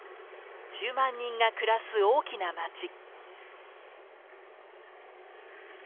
１０万人が暮らす大きな街。